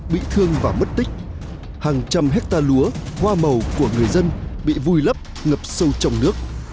bị thương và mất tích hàng trăm hectare lúa hoa màu của người dân bị vùi lấp ngập sâu trong nước